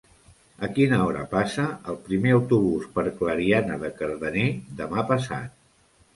A quina hora passa el primer autobús per Clariana de Cardener demà passat?